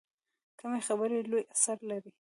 کمې خبرې، لوی اثر لري.